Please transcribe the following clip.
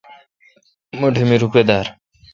مٹھ می روپہ دار۔